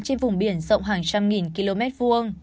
trên vùng biển rộng hàng trăm nghìn km vuông